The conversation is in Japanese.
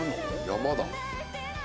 山だ。